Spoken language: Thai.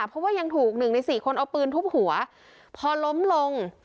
เพราะว่ายังถูกหนึ่งในสี่คนเอาปืนทุบหัวพอล้มลง